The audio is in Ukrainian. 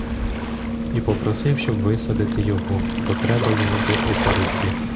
І попросив, щоб висадити його, бо треба йому до опери йти.